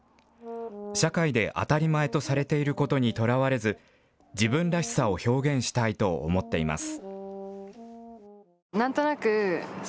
社会で当たり前とされていることにとらわれず自分らしさを表現したいと思っています。